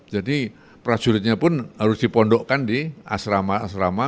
jadi prajuritnya pun harus dipondokkan di asrama asrama